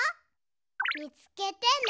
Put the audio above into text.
みつけてね。